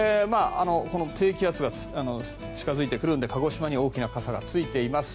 この低気圧が近付いてくるので鹿児島に大きな傘がついています。